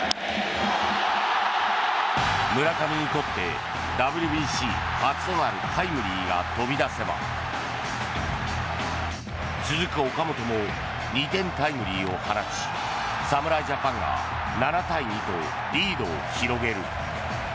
村上にとってＷＢＣ初となるタイムリーが飛び出せば続く岡本も２点タイムリーを放ち侍ジャパンが７対２とリードを広げる。